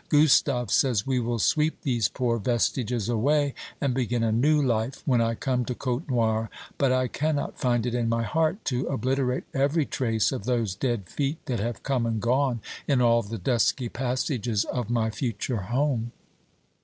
Gustave says we will sweep these poor vestiges away, and begin a new life, when I come to Côtenoir; but I cannot find it in my heart to obliterate every trace of those dead feet that have come and gone in all the dusky passages of my future home.